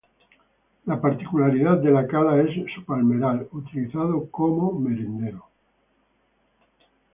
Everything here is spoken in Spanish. La particularidad de la cala es su palmeral, utilizado como a merendero.